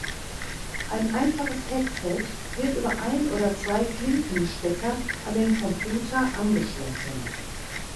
Ein einfaches Headset wird über ein oder zwei Klinkenstecker an den Computer angeschlossen.